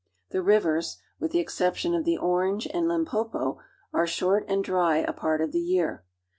The rivers, with the exception of the Orange and Limpopo, are short and dry a part of the year.